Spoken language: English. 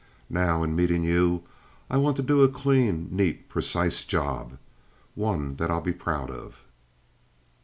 Now, in meeting you, I want to do a clean, neat, precise job. One that I'll be proud of."